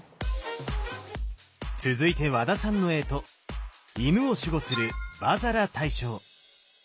続いて和田さんの干支戌を守護する伐折羅大将。